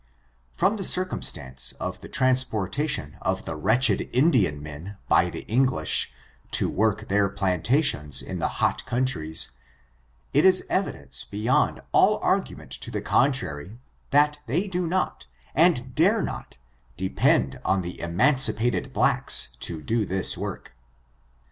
From the circumstance of the transportation of the wretched Indian men by the English to work their plantations in the hot countries, it is evidence beyond all argument to the contrary, that they do not, and dare not depend on the emancipated blacks to do this work.